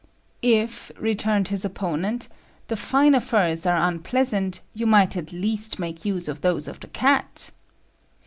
'If,' returned his opponent, 'the finer furs are unpleasant, you might at least make use of those of the cat.'